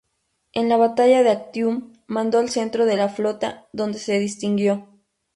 En la batalla de Actium mandó el centro de la flota, donde se distinguió.